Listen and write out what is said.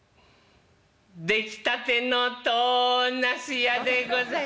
出来たてのとなすやでござい。